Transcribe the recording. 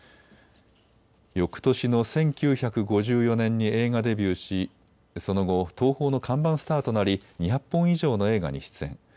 よくとしの１９５４年に映画デビューしその後、東宝の看板スターとなり２００本以上の映画に出演。